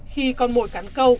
khi còn mồi cắn câu